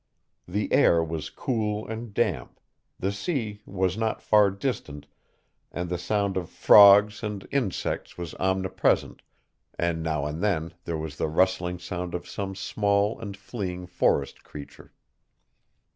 The air was cool and damp the sea was not far distant and the sound of frogs and insects was omnipresent and now and then there was the rustling sound of some small and fleeing forest creature.